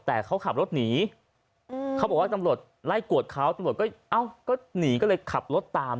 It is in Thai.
แต่เขาขับรถหนีเขาบอกว่าตำรวจไล่กวดเขาตำรวจก็เอ้าก็หนีก็เลยขับรถตาม